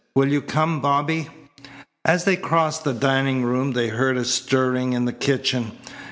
"Will you come, Bobby?" As they crossed the dining room they heard a stirring in the kitchen.